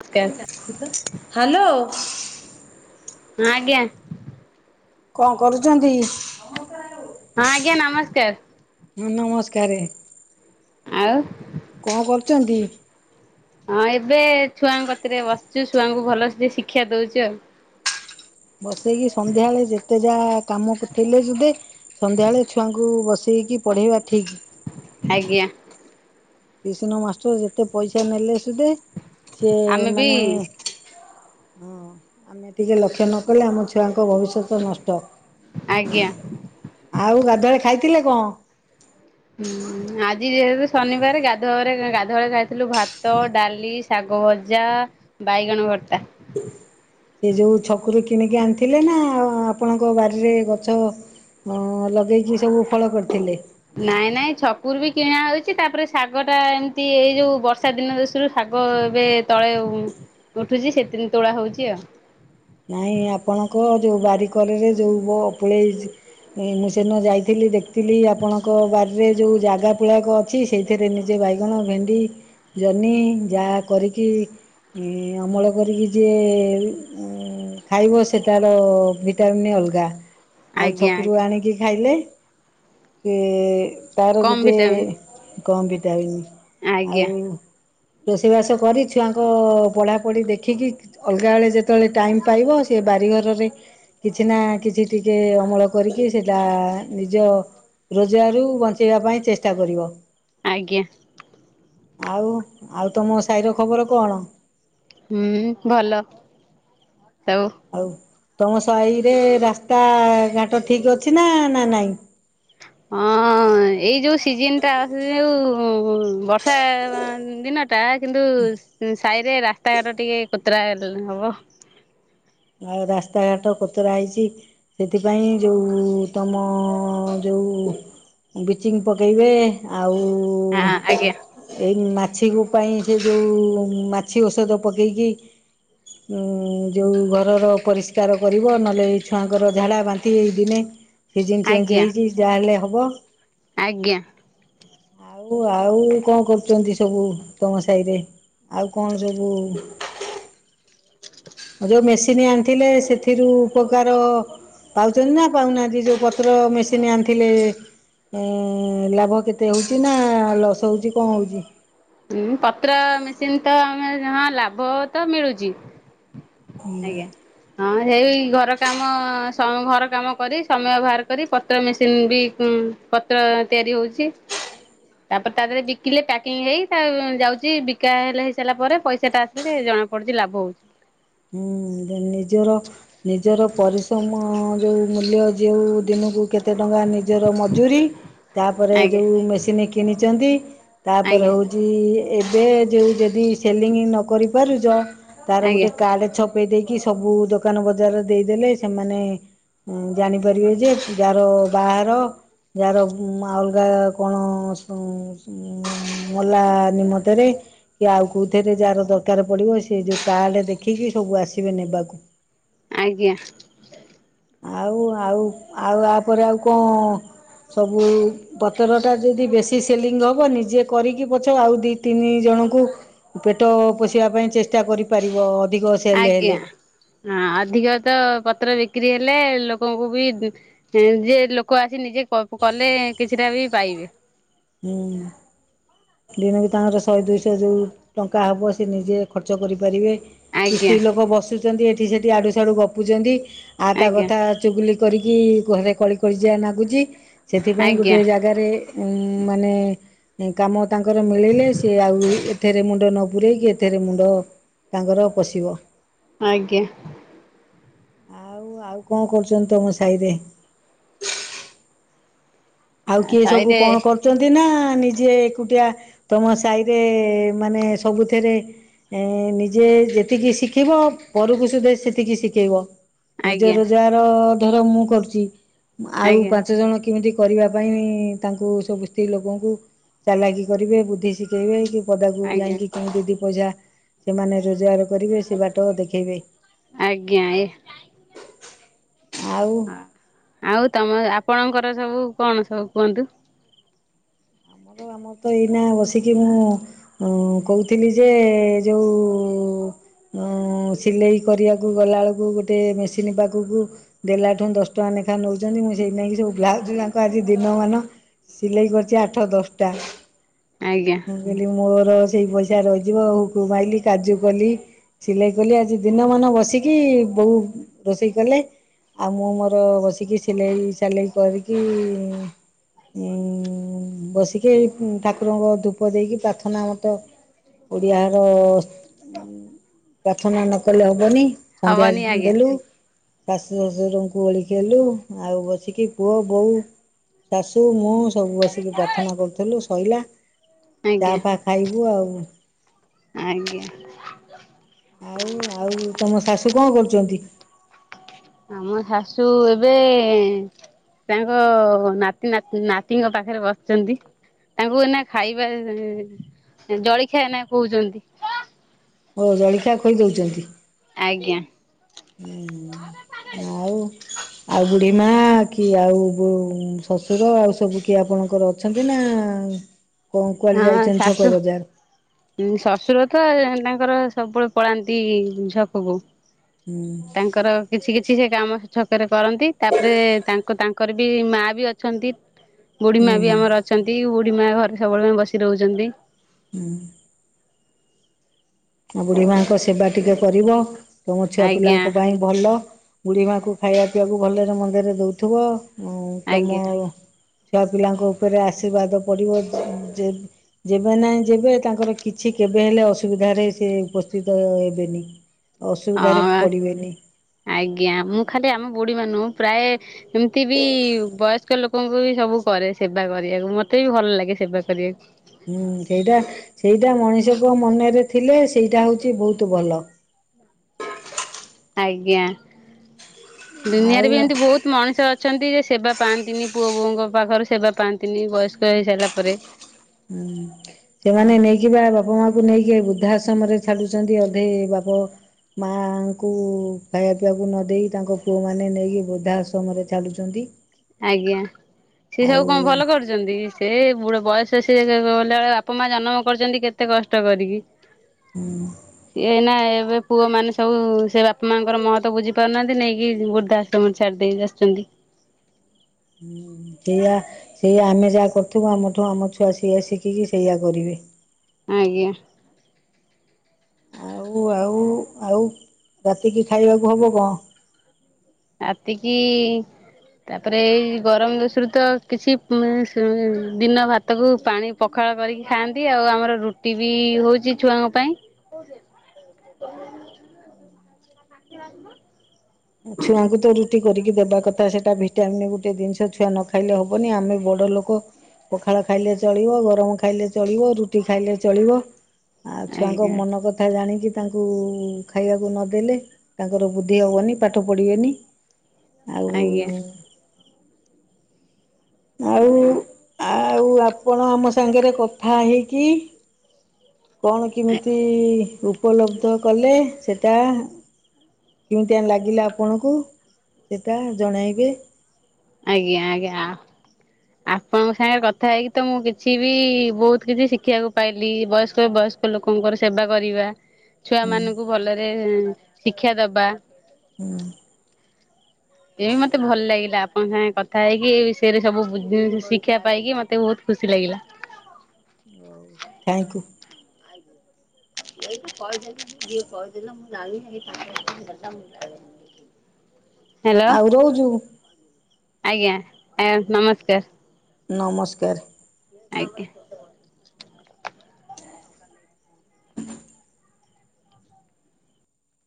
ନମସ୍କାର ଆଜ୍ଞା, କଣ କରୁଛନ୍ତି? ହଁ ଆଜ୍ଞା ନମସ୍କାର। ହଁ ନମସ୍କାରେ ଆଉ କଣ କରୁଛନ୍ତି? ହଁ ଏବେ ଛୁଆଙ୍କ କତିରେ ବସିଛୁ ଛୁଆଙ୍କୁ ଭଲ ସେ ଶିକ୍ଷା ଦଉଛୁ ଆଉ। ବସେଇକି ସନ୍ଧ୍ୟାବେଳେ ଯେତେ ଯା କାମ ଥିଲେ ସୁଧେ ସନ୍ଧ୍ୟାବେଳେ ଛୁଆଙ୍କୁ ବସେଇକି ପଢେଇବା ଠିକ। ଆଜ୍ଞା। ଟିଉସନ ମାଷ୍ଟର ଯେତେ ପଇସା ନେଲେ ସୁଧେ ସେ ଆମେ ବି ମାନେ ହଁ ଆମେ ଟିକେ ଲକ୍ଷ ନ କଲେ ଆମ ଛୁଆ ଭବିଷ୍ୟତ ନଷ୍ଟ ଆଜ୍ଞା ଆଉ ଗାଡ଼ି ସେତେବେଳେ ଖାଇଥିଲେ କଣ? ହୁଁ ଆଜି ଯେହେତୁ ଶନିବାର ଗାଧଆ ଗାଧୁଆରେ ଖାଇଥିଲୁ ଭାତ, ଡାଲି, ଶାଗ ଭଜା, ବାଇଗଣ ଭର୍ତା। ସେ ଯୋଉ ଛକରୁ କିଣିକି ଆଣିଥିଲେ ନା ଆପଣଙ୍କ ବାରିରେ ଗଛ ଲଗେଇକି ସବୁ ଫଳ କରିଥିଲେ। ନାଇଁ ନାଇଁ ଛକୁରୁ ବି କିଣା ହେଉଛି ତାପରେ ଶାଗ ଟା ଏମିତି ଏଇ ଯୋଉ ବର୍ଷା ଦିନରୁ ଶାଗ, ଏବେ ତଳେ ଉଠୁଛି, ସେଥିରୁ ତୋଳା ହଉଛି ଆଉ। ନାଇଁ ଆପଣଙ୍କ ଯେଉ ବାରିକରରେ ଯେଉଁ ପଳେଇ, ମୁଁ ସେଦିନ ଯାଇଥିଲି ଦେଖିଥିଲି ଆପଣଙ୍କ ବାରିରେ ଯେଉଁ ଜାଗା ପୁଳାକ ଅଛି, ସେଇଥିରେ ନିଜେ ବାଇଗଣ, ଭେଣ୍ଡି, ଜହ୍ନି ଯାହା କରିକି ଅମଳ କରିକି ଯିଏ ଖାଇବ ସେଟାର, ଭିଟାମିନ୍ ଅଲଗା। ଆଉ ଆଜ୍ଞା ଛକରୁ ଆଜ୍ଞା ଆଣିକି ଖାଇଲେ, କେ ତାର କମ ଗୋଟେ ଭିଟାମିନ୍ କମ୍ ଭିଟାମିନ୍ ଆଜ୍ଞା। ରୋଷେଇ ବାସ କରି ଛୁଆଙ୍କ ପଢା ପଢି ଦେଖିକି ଅଲଗା ବେଳେ ଯେତେ ଯେତେବେଳେ ଟାଇମ୍ ପାଇବ, ସେ ବାରିଘରରେ କିଛି ନା କିଛି ଟିକେ ଅମଳ କରିକି, ସେଇଟା ନିଜ ରୋଜଗାରରୁ ବଞ୍ଚେଇବା ପାଇଁ ଚେଷ୍ଟା କରିବ। ଆଜ୍ଞା। ଆଉ ଆଉ ତମ ସାହିର ଖବର କଣ? ହୁଁ ଭଲ, ହଉ, ଆଉ ତମ ସାହିରେ ରାସ୍ତା ଘାଟ ଠିକ ଅଛି ନା ନା ନାଇଁ? ହଁ ଏଇ ଯୋଉ ସିଜନ ଟା ଅସଛି ଯୋଉ ବର୍ଷା ଦିନ, ଟା କିନ୍ତୁ ସାହିରେ ରାସ୍ତାଘାଟ ଟିକେ କୋତରା ହବ। ଆଉ ରାସ୍ତାଘାଟ କଚରା ହେଇଛି ସେଥିପାଇଁ ଯେଉଁ ତମ ଯେଉ ବ୍ଲିଚିଂ ପକେଇବେ ଆଉ ଆଜ୍ଞା ଏଇ ମା ମାଛିକୁ ପାଇଁ ସେ ଯୋଉ, ମାଛି ଔଷଧ ପକେଇକି ଉଁ ଯୋଉ ଘର ପରିଷ୍କାର କରିବ, ନହେଲେ ଏଇ ଛୁଆଙ୍କର ଝାଡା, ବାନ୍ତି ଏଇ ଦିନେ। ସିଜନ ଚେଞ୍ଜ ଆଜ୍ଞା ହେଇଛି ଯାହାହେଲେ ହ ୱା। ଆଜ୍ଞା। ଆଉ ଆଉ କଣ କରୁଛନ୍ତି ସବୁ, ତମ ସାହିରେ ଆଉ କଣ ସବୁ? ଯୋଉ ମେସିନ୍ ଆଣିଥିଲେ, ସେଥିରୁ ଉପକାର ପାଉଛନ୍ତି ନା ପାଉନାହାନ୍ତି ଯୋଉ ପତ୍ର ମେସିନ୍ ଆଣିଥିଲେ, ଏଁ ଲାଭ କେତେ ହଉଛି ନା ଲସ୍ ହଉଛି କଣ ହଉଚି? ଉଁ ପତ୍ର ମେସିନ ତ ଆମେ [unintelligible] ହଁ ଲାଭ ତ ମିଳୁଚି । ଆଜ୍ଞା ହଁ ସେଇ ଘରକାମ। ଘର କାମ କରି, ସମୟ ବାହାର କରି ପତ୍ର ମେସିନ ବି ଉଁ ପତ୍ର ତିଆରି ହଉଚି। ତାପରେ ତା ଦେହରେ ବିକିଲେ ପ୍ୟାକିଂ ହେଇ, ତା ଯାଉଛି ବିକା ହେଲେ ହେଇସାରିଲା ପରେ ପଇସା ଟା ଆସିଲେ, ଜଣା ପଡୁଛି ଲାଭ ହଉଛି। ହୁଁ ନିଜର ନିଜର ପରିଶ୍ରମ ଯୋଉ ମୂଲ୍ୟ। ଯେଉଁ। ଦିନକୁ କେତେ ଟଙ୍କା ନିଜର ମଜୁରୀ, ତାପରେ ଆଜ୍ଞା ଯେଉଁ ମେସିନ୍ କିଣିଚନ୍ତି, ଆଜ୍ଞା ତାପରେ ହେଉଚି ଏ ଯେ ଯୋଉ ଯଦି ସେଲିଙ୍ଗ୍ ନକରି ପାରୁଚ। ତାର ଆଜ୍ଞା ଗୋଟେ। ଛପେଇ ଦେଇକି ସବୁ ଦୋକାନ ବଜାର ଦେଇଦେଲେ ସେମାନେ ଜାଣିପାରିବେ ଯେ, ଯାହାର ବାହାର, ଯାହାର ଅଲଗା କଣ [unintelligible] ମଲା ନିମତରେ କି ଆଉ କଉଥିରେ ଯାହାର ଦରକାର ପଡ଼ିବ ସେ ଯେଉଁ। [unintelligible] ଦେଖିକି ସବୁ ଆସିବେ ନେବାକୁ। ଆଜ୍ଞା। ଆଉ, ଆଉ, ଆଉ ଆପରେ ଆଉ କଁ ସବୁ ପତରଟା ଯଦି, ବେଶି ସେଲିଙ୍ଗ ହବ, ନିଜେ କରିକି ପଛେ ଆଉ ଦୁଇ ତିନି ଜଣଙ୍କୁ ପେଟ ପୋଷିବା ପାଇଁ ଚେଷ୍ଟା କରିପାରିବ। ଅଧିକ ସେଲ୍ ଆଜ୍ଞା ହେଲେ। ହଁ ଅଧିକତ ପତ୍ର ବି । ବିକ୍ରି ହେଲେ ଲୋକଙ୍କୁ ବି ଉଁ ଯେ ଲୋକ ଆସି ନିଜେ କ କଲେ କିଛିଟା ବି ପାଇବେ । ଓଁ ଦିନକୁ ତାଙ୍କର ଶହେ ଦୁଇଶହ ଯଉ ଟଙ୍କା ହେବ ସେ ନିଜେ ଖର୍ଚ୍ଚ କରିପାରିବେ । ଆଜ୍ଞା ସ୍ତ୍ରୀଲୋକ ବସି ସେମିତି ଏଠି ସେଠି ଆଡୁ ସାଡୁ ଗପୁଚନ୍ତି। ଆ ତା ଆଜ୍ଞା କଥା ଚୁଗଲି କରିକି ଘରେ କଳି କର୍ଯ୍ୟା ନାଗୁଚି। ସେଥିପାଇଁ ଆଜ୍ଞା ଗୋଟେ ଜାଗାରେ ଉଁ ମାନେ କାମ। ତାଙ୍କର ମିଳିଲେ ସିଏ ଆଉ ତେରେ ମୁଣ୍ଡ ନ ପୂରେଇକି ଏଥିରେ ମୁଣ୍ଡ ତାଙ୍କର ପଶିବ । ଆଜ୍ଞା। ଆଉ, ଆଉ କଣ କରୁଚନ୍ତି, ତମ ସାହିରେ। ଆଉ କିଏ ସବୁ ସାହିରେ କଣ କରୁଚନ୍ତି ନା? ନିଜେ ଏକୁଟିଆ ତମ ସାହିରେ ମାନେ ସବୁଥିରେ ଏଁ ନିଜେ ଯେତିକି ଶିଖିବ ପରକୁ ସେତେ ସେତିକି ଶିଖେଇବ । ଆଜ୍ଞା ନିଜର ଯାର ମୋର ମୁଁ କରୁଚି। ଆଉ ଆଜ୍ଞା ପାଞ୍ଚଜଣ କେମିତି କରିବା ପାଇଁ, ତାଙ୍କୁ ସବୁ ସ୍ତ୍ରୀ ଲୋକଙ୍କୁ ଚାଲାକି କରିବେ ବୁଦ୍ଧି ଶିଖେଇବେ। ପଦାକୁ ଆଜ୍ଞା ଯାଇକି କିମିତି ଦି ପଇସା ସେମାନେ ରୋଜଗାର । କରିବେ ସେ ବାଟ ଦେଖେଇବେ । ଆଜ୍ଞା ଆ ଆଉ ତମ ଆପଣଙ୍କର ସବୁ କଣ, ସବୁ କୁହନ୍ତୁ। ଆମର ଆମର ତ ଏଇନା ବସିକି ମୁଁ ଉଁ କହୁଥିଲି ଯେ ଯେଉଁ ଉଁ ସିଲେଇ କରିବାକୁ ଗଲାବେଳକୁ ଗୋଟେ ମେସିନ୍ ପାଖକୁ ଦେଲାଟୁ ଦଶ ଟଙ୍କା ଲେଖାଁ ନଉଚନ୍ତି, ମୁଁ ସେଇ ନେଇକି ସବୁ ବ୍ଲାଉଜ୍ ଗାକ ଆଜି ଦିନମାନ ସିଲେଇ କରୁଚି ଆ ଟ ଦଶଟା। ଆଜ୍ଞା। ମୁ କହିଲି ମୋର ସେଇ ପଇସା ରହିଯିବ, [unintelligible] କାଜୁ କଲି ସିଲେଇ କଲି ଆଜି ଦିନମାନ ବସିକି ବୋଉ ରୋଷେଇ କଲେ ଆଉ ମୁଁ ମୋର ବସିକି ସିଲେଇ ସାଲେଇ କରିକି ଉଁ ବସିକି ଠାକୁରଙ୍କ ଧୂପ ଦେଇକି ପ୍ରାର୍ଥନା ମତ ଓଡ଼ିଆର ପ୍ରାର୍ଥନା ନକଲେ ହବନି ସନ୍ଧ୍ୟା ହବନି ଆଜ୍ଞା ଦେଲୁ। ଶାଶୁ ଶ୍ୱଶୁରଙ୍କୁ ଓଳ ଖେଲୁ ଆଉ ବସିକି ପୁଅ ବୋଉ ଶାଶୁ ମୁ ସବୁ ବସିକି ଥନା କରୁଥିଲୁ ଶୋଇଲା ଚା ଆଜ୍ଞା ଫା ଖାଇବୁ ଆଉ। ଆଜ୍ଞା ଆଉ ଆଉ ତମ ଶାଶୁ କଣ କରୁଚନ୍ତି? ଆମ ଶାଶୁ ଏବେ ତାଙ୍କ ନାତି ନାତି ନାତିଙ୍କ ପାଖରେ ବସିଚନ୍ତି ତାଙ୍କୁ ଏନା ଖାଇବା ଜଳଖିଆ ଏନା କହୁଚନ୍ତି। ହଉ ଜଳଖିଆ ଖୋଇ ଦଉଚନ୍ତି। ଆଜ୍ଞା। ଆଉ ଆଉ ବୁଢୀ ମା କି ଆଉ ଶ୍ୱଶୁର ଆଉ ସବୁ କିଏ ଆପଣଙ୍କର ଅଛନ୍ତି ନା? କଣ କୁଆଡେ ହଁ ଯାଇଛନ୍ତି ଛକ ଶାଶୁ ବଜାର ଶଶୁର ତ ୟେ ତାଙ୍କର ସବୁବେଳେ ପଳାନ୍ତି ଛକକୁ। ହୁଁ ତାଙ୍କର କିଛି କିଛି ସେ କାମ ଛକରେ କରନ୍ତି, ତାପରେ ତାଙ୍କ ତାଙ୍କର ବି ମା ବି ଅଛନ୍ତି। ହୁଁ ବୁଢୀମା ବି ଆମର ଅଛନ୍ତି। ଢ଼ ପ ମା ଘରେ ସବୁବେଳେ ବସି ରହୁଚନ୍ତି। ହୁଁ। ଆଉ ବୁଢୀ ମାଙ୍କ ସେବା ଟିକେ କରିବ। ତମ ଛୁଆ ଆଜ୍ଞା ପିଲାଙ୍କ ପାଇଁ ଭଲ। ବୁଢ଼ୀମାକୁ ଖାଇବା ପିଇବାକୁ ଭଲରେ ମନ୍ଦରେ ଦେଉଥିବ। ଆଉ ଆଜ୍ଞା। ତମର ଛୁଆ ପିଲାଙ୍କ ଉପରେ ଆଶୀର୍ବାଦ ପଡିବ। ଯେବେ ନାହିଁ ଯେବେ ତାଙ୍କର କିଛି କେବେ ହେଲେ ଅସୁବିଧାରେ ସେ ଉପସ୍ଥିତ ହେବେନି ଅସୁବିଧାରେ ହଁ ପଡ଼ିବେନି ଆଜ୍ଞା ମୁଁ ଖାଲି ଆମ ବୁଢୀ ମାନୁ ପ୍ରାୟ ଏମତି ବି ବସ୍ ମୁ୍ୟ ଲୋକଙ୍କୁ ବି ସବୁ କରେ ସେବା କରିବାକୁ ମତେ ବି ଭଲ ଲାଗେ ସେବା କରିବାକୁ ହୁଁ ସେଇଟା ସେଇଟା ମଣିଷଙ୍କ ମନରେ ଥିଲେ ସେଇଟା ହଉଛି ବହୁତ ଭଲ। ଆଜ୍ଞା ଆଉ ଦୁନିଆରେ ବି ଏମିତି ବହୁତ ମଣିଷ ଅଛି ଅଛନ୍ତି ଯେ ସେବା ପାଆନ୍ତିନି ପୁଅ ବୋଉଙ୍କ ପାଖରୁ ସେବା ପାଆନ୍ତିନି ବୟସ୍କ ହେଇସାରିଲା ପରେ। ହୁଁ ସେମାନେ ନେଇକି ବା ବାପା ମାକୁ କୁ ନେଇକି ବୃଦ୍ଧା ଆଶ୍ରମ ରେ ଛାଡୁଛନ୍ତି ଅଧେ ବାପ ମାଙ୍କୁ ଖାଇବା ପିଇବାକୁ ନ ଦେଇେଇ ତାଙ୍କ ପୁଅ ମାନେ ନେଇକି ବୃଦ୍ଧା ଆଶ୍ରମ ରେ ଛାଡୁଛନ୍ତି। ଆଜ୍ଞା ସେ ସବୁ ଆଉ କଣ ଭଲ କରୁଛନ୍ତି ସେ ବୁଡ ବୟସ ସିଏ ଗଲାବେଳେ ବାପା ମା ଜନ୍ମ କରିଛନ୍ତି କେତେ କଷ୍ଟ କରିକି। ସିଏ ଏଇନା। ଏବେ ପୁଅ ମାନେ ସବୁ ସେ ବାପା ମାଙ୍କର ମହତ ବୁଝି ପାରୁନାହାନ୍ତି ନେଇକି ବୃର୍ଦ୍ଧା ଆଶ୍ରମର ଛାଡି ଦେଇେକି ଆସିଛନ୍ତି । ହୁଁ ସେଇଆ ସେଇଆ ଆମେ ଯାହା କରୁଥିବୁ ଆମଠୁ ଆମ ଛୁଆ ସେଇଆ ଶିଖିକି ସେଇଆ କରିବେ । ଆଜ୍ଞା । ଆଉ ଆଉ ଆଉ ରାତିକି ଖାଇବାକୁ ହବ କଣ? ରାତିକି ତାପରେ ଏଇ ଗରମ ଦୋଷରୁ ତ କିଛି ଦିନ ଭାତକୁ ପାଣି ପଖାଳ କରିକି ଖାଆନ୍ତି ଆଉ ଆମର ରୁଟି ବି ହଉଛି ଛୁଆଙ୍କ ପାଇଁ । ଛୁଆଙ୍କୁ ତ ରୁଟି କରିକି ଦେବା କଥା ସେଟା ଭିଟାମିନ ଗୋଟେ ଦିନିଷ ଛୁଆ ନ ଖାଇଲେ ହବନି ଆମେ ବଡ ଲୋକ ପଖାଳ ଖାଇଲେ ଚଳିବ ଗରମ ଖାଇଲେ ଚଳିବ ରୁଟି ଖାଇଲେ ଚଳିବ । ଆଉ ଛୁଆଙ୍କ ଆଜ୍ଞା ମନ କଥା ଜାଣିକି। ତାଙ୍କୁ ଖାଇବାକୁ ନଦେଲେ ତାଙ୍କର ବୁଦ୍ଧି ହେବନି । ପାଠ ପଢ଼ିବେନି। ଆଉ ଆଜ୍ଞା । ଆଉ ଆଉ ଆପଣ ଆମ ସାଙ୍ଗରେ କଥା ହେଇକି । କଣ କେମିତି ଉପଲବ୍ଧ କଲେ ସେ । ସେଟା କେମିତିଆ ଲାଗିଲା ଆପଣଙ୍କୁ ସେଟା ଜଣାଇବେ। ଆଜ୍ଞା ଆଜ୍ଞା ଆ । ଆପଣଙ୍କ ସାଙ୍ଗରେ କଥା ହେଇକି ତ ମୁଁ କିଛି ବି ବହୁତ କିଛି ଶିଖିବାକୁ ପାଇଲି ବୟସ୍କ ବୟସ୍କ ଲୋକଙ୍କର ସେବା କରିବା । ଛୁଆ ହୁଁ ମାନଙ୍କୁ ଭଲରେ । ଶିକ୍ଷା ଦବା। ହୁଁ। ଏବେ ମତେ ଭଲ ଲାଗିଲା । ଆପଣଙ୍କ ସାଙ୍ଗେ କଥା ହେଇକି ସେୟେରେ ସବୁ ବୁ ଶିକ୍ଷା ପାଇକି ମତେ ବହୁତ ଖୁସି ଲାଗିଲା । ହଉ ଥ୍ୟାଙ୍କ୍ୟୁ [unintelligible] ଆଉ ରହୁଚୁ। ଆଜ୍ଞା ଆଜ୍ଞା ନମସ୍କାର । ନମସ୍କାର । ଆଜ୍ଞା ।